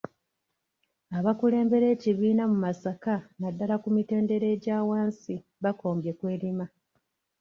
Abakulembera ekibiina mu Masaka naddala ku mitendera egya wansi bakombye kw'erima.